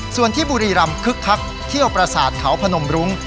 ส่วนที่บุรีรำคึกคักเที่ยวประสาทเขาพนมรุ้ง